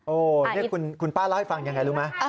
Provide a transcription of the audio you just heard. โอ้โหนี่คุณป้าเล่าให้ฟังยังไงรู้ไหม